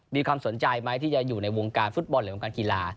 มีความสนใจไหมที่จะอยู่ในวงการฟุตบอลหรือวงการกีฬา